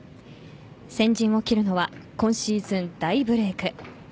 先陣を切るのは今シーズン大ブレーク。